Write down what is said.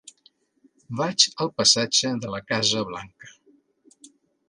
Vaig al passatge de la Casa Blanca.